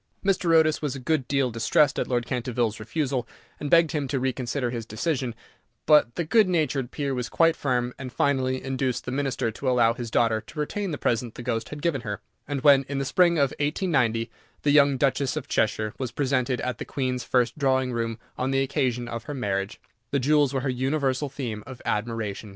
Mr. Otis was a good deal distressed at Lord Canterville's refusal, and begged him to reconsider his decision, but the good natured peer was quite firm, and finally induced the Minister to allow his daughter to retain the present the ghost had given her, and when, in the spring of 1890, the young Duchess of Cheshire was presented at the Queen's first drawing room on the occasion of her marriage, her jewels were the universal theme of admiration.